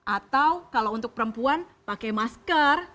atau kalau untuk perempuan pakai masker